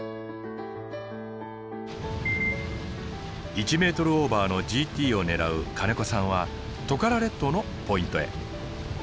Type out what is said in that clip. １ｍオーバーのＧＴを狙う金子さんはトカラ列島のポイントへ。